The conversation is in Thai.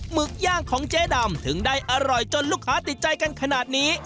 หึกย่างของเจ๊ดำถึงได้อร่อยจนลูกค้าติดใจกันขนาดนี้